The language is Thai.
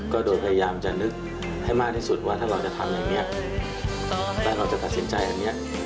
ก็โดยพยายามจะนึกให้มากที่สุดว่าถ้าเราจะทำอย่างนี้แล้วเราจะตัดสินใจอันนี้